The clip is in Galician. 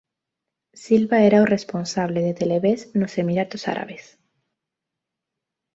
Silva era o responsable de Televés nos Emiratos Árabes.